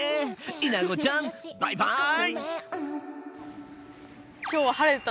イナゴちゃんバイバイ！